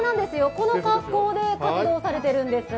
この格好で活動されてるんです。